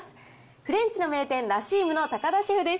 フレンチの名店、ラ・シームの高田シェフです。